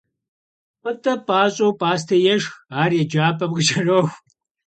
Пӏытӏэ пащӏэу пӏастэ ешх, ар еджапӏэм къыкӏэроху.